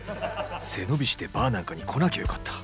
背伸びしてバーなんかに来なきゃよかった。